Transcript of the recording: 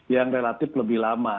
yang relatif lebih lama